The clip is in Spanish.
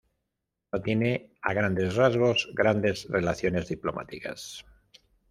No tiene a grandes rasgos grandes relaciones diplomáticas.